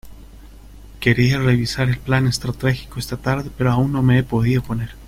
Quería revisar el plan estratégico esta tarde, pero aún no me he podido poner.